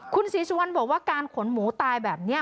คุณศรีสุวรรณบอกว่าการขนหมูตายแบบนี้